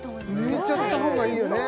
抜いちゃったほうがいいよね